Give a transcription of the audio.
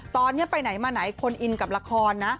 ตอนนี้ไปไหนมาไหนคนอินกับละครนะ